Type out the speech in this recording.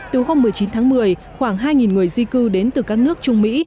từ hôm một mươi chín tháng một mươi khoảng hai người di cư đến từ các nước trung mỹ